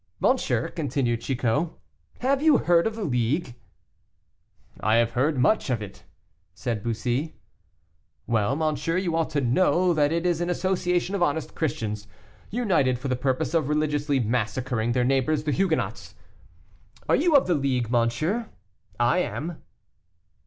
"Monsieur," continued Chicot, "have you heard of the League?" "I have heard much of it," said Bussy. "Well, monsieur, you ought to know that it is an association of honest Christians, united for the purpose of religiously massacring their neighbors, the Huguenots. Are you of the League, monsieur? I am."